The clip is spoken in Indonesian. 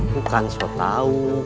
bukan so tau